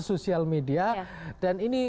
sosial media dan ini